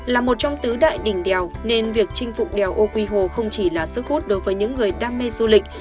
là một trong tứ đại đỉnh đèo nên việc chinh phục đèo âu quy hồ không chỉ là sức hút đối với những người đam mê du lịch